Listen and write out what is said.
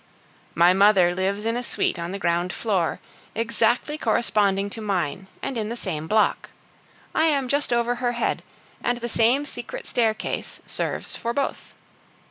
My mother lives in a suite on the ground floor, exactly corresponding to mine, and in the same block. I am just over her head, and the same secret staircase serves for both.